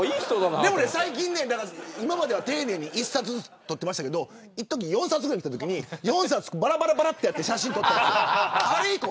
でも最近ね今までは丁寧に１冊ずつ撮ってましたけどいっとき４冊ぐらい来たときに４冊、ばらばらばらってやって写真撮ったんですよ。